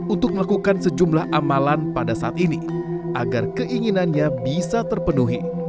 untuk melakukan sejumlah amalan pada saat ini agar keinginannya bisa terpenuhi